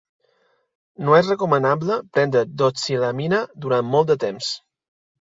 No és recomanable prendre doxilamina durant molt de temps.